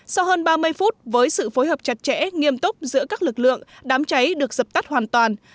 sau hơn ba mươi phút với sự phối hợp chặt chẽ nghiêm túc giữa các lực lượng đám cháy được dập tắt hoàn toàn